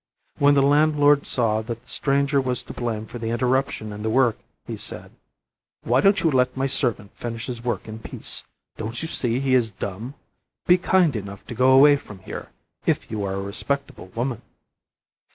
When the landlord saw that the stranger was to blame for the interruption in the work, he said: "Why don't you let my servant finish his work in peace? Don't you see he is dumb? Be kind enough to go away from here, if you are a respectable woman."